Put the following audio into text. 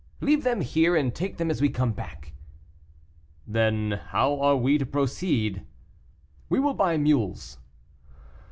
"Leave them here, and take them as we come back." "Then how are we to proceed?" "We will buy mules."